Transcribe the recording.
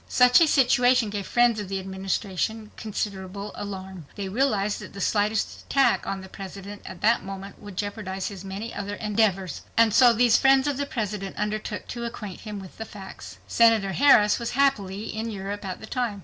Such a situation gave friends of the Administration considerable alarm. They realized that the slightest attack on the President at that moment would jeopardize his many other endeavors. And so these friends of the President undertook to acquaint him with the facts. Senator Harris was happily in Europe at the time.